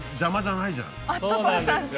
そうなんですよ。